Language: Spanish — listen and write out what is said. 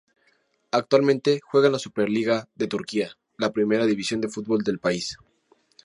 Actualmente juega en la Superliga de Turquía, la primera división de fútbol del país.